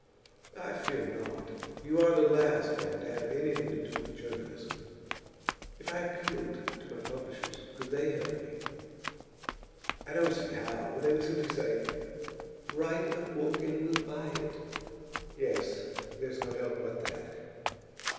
'I fear not. You are the last man to have anything to do with journalism.' 'If I appealed to my publishers, could they help me?' 'I don't see how. They would simply say: Write a book and we'll buy it.' 'Yes, there's no help but that.